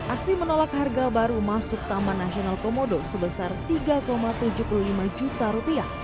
aksi menolak harga baru masuk taman nasional komodo sebesar rp tiga tujuh puluh lima juta